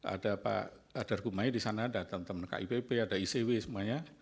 ada pak adar gumai di sana ada teman teman kipp ada icw semuanya